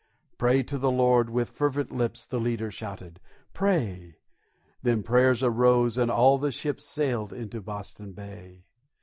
"Pray to the Lord with fervent lips," The leader shouted, "pray!" Then prayer arose, and all the ships Sailed into Boston Bay.